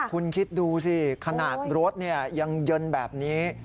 คุณคิดดูสิขนาดรถยังเย็นแบบนี้